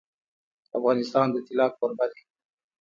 افغانستان د طلا کوربه دی.